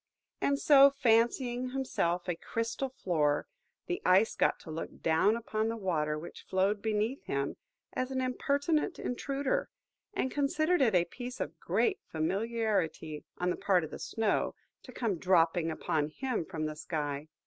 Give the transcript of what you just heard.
And so, fancying himself a crystal floor, the Ice got to look down upon the Water which flowed underneath him, as an impertinent intruder; and considered it a piece of great familiarity, on the part of the Snow, to come dropping upon him from the sky.